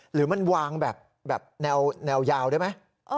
หรือมันวางแบบแนวยาวได้ไหม